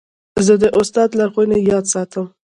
زه د استاد لارښوونې یاد ساتم.